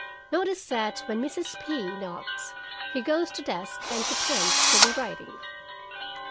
Notice that when Mrs. P. knocks, he goes to desk and pretends to be writing.